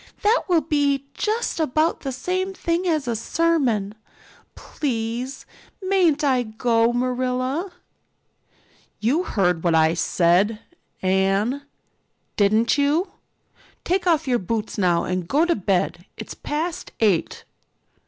That will be just about the same thing as a sermon. Please, mayn't I go, Marilla?" "You heard what I said, Anne, didn't you? Take off your boots now and go to bed. It's past eight."